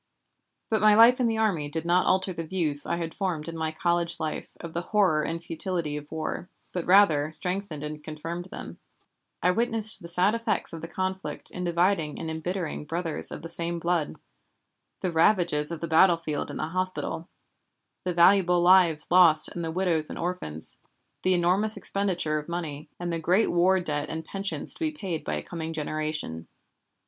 But my life in the army did not alter the views I had formed in my college life of the horror and futility of war, but rather strengthened and confirmed them. I witnessed the sad effects of the conflict in dividing and embittering brothers of the same blood, the ravages of the battlefield and the hospital, the valuable lives lost and the widows and orphans, the enormous expenditure of money, and the great war debt and pensions to be paid by a coming generation.